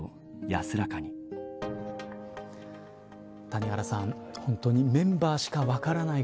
谷原さん、本当にメンバーしか分からない